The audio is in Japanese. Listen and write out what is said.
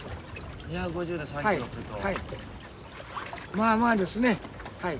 まあまあですねはい。